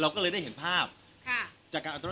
คือแบ็ดหมด